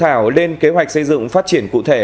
thảo lên kế hoạch xây dựng phát triển cụ thể